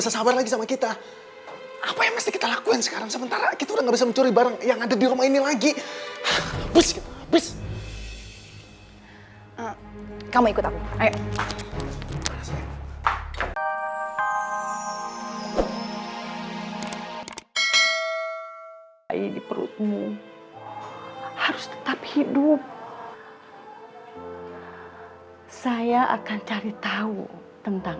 sampai jumpa di video selanjutnya